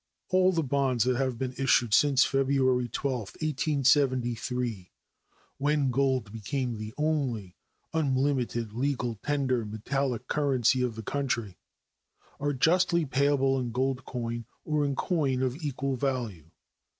All the bonds that have been issued since February 12, 1873, when gold became the only unlimited legal tender metallic currency of the country, are justly payable in gold coin or in coin of equal value.